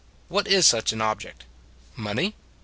What is such an object? Money?